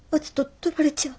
取られちゃう。